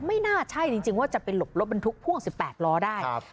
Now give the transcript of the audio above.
ไม่น่าใช่จริงว่าจะไปหลบรถบรรทุกพ่วง๑๘ล้อได้